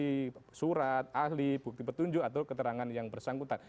jadi surat ahli bukti petunjuk atau keterangan yang bersangkutan